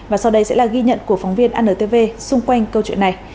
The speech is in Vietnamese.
và sau đây sẽ là ghi nhận của phóng viên antv xung quanh câu chuyện này